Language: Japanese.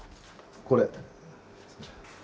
これ。